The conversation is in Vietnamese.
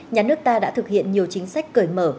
nhà nước ta đã thực hiện nhiều chính sách cởi mở